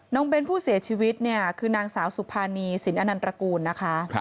เบ้นผู้เสียชีวิตเนี่ยคือนางสาวสุภานีสินอนันตระกูลนะคะ